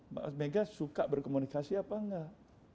mas mega suka berkomunikasi apa enggak